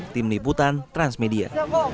tim liputan transmedia